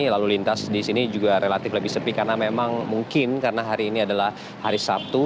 lalu lintas di sini juga relatif lebih sepi karena memang mungkin karena hari ini adalah hari sabtu